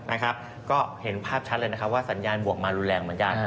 นะครับก็เห็นภาพชัดเลยนะครับว่าสัญญาณบวกมารุนแรงเหมือนกัน